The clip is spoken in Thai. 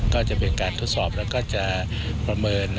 ก็จะเป็นการทดสอบแล้วก็จะประเมิน